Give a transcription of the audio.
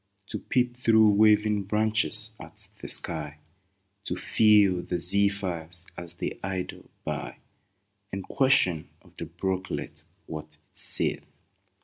To peep through waving branches at the sky, To feel the zephyrs as they idle by, And question of the brooklet what it saith